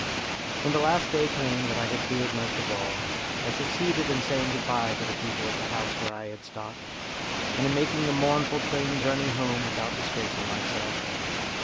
When the last day came that I had feared most of all, I succeeded in saying goodbye to the people at the house where I had stopped, and in making the mournful train journey home without disgracing myself.